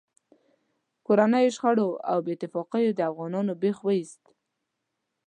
کورنیو شخړو او بې اتفاقیو د افغانانو بېخ و ایست.